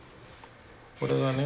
これがね